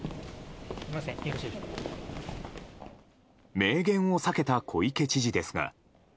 明言を避けた小池知事ですが。